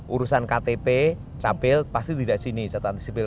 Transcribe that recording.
urusan ktp capil pasti tidak sini catatan sipil